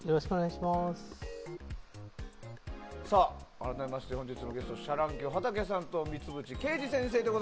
改めまして本日のゲストシャ乱Ｑはたけさんと三淵啓自先生です